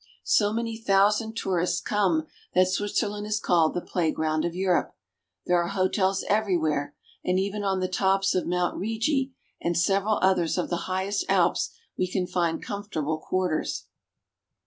So many thousand tourists come that Switzerland is called the playground of Europe. There are hotels everywhere, and even on the tops of Mount Rigi, and several others of the highest Alps, we can find comfortable quarters.